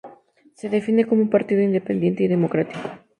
Se define como un partido independiente y democrático.